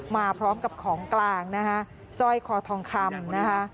มาพร้อมกับของกลางนะคะสร้อยคอทองคำนะคะ